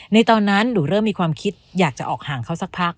ในตอนนั้นหนูเริ่มมีความคิดอยากจะออกห่างเขาสักพัก